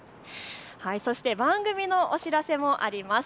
そして番組のお知らせもあります。